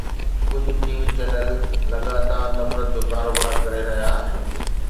ڪجهه T V channel لڳاتار نفرت جو ڪاروبار ڪري رهيا آهن.